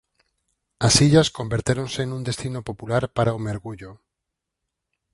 As illas convertéronse nun destino popular para o mergullo.